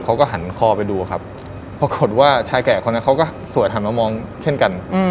เขาก็หันคอไปดูครับปรากฏว่าชายแก่คนนั้นเขาก็สวดหันมามองเช่นกัน